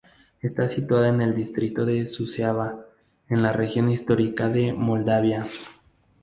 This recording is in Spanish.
Está situada en el distrito de Suceava, en la región histórica de Moldavia.